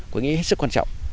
có nghĩa hết sức quan trọng